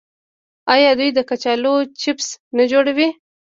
آیا دوی د کچالو چپس نه جوړوي؟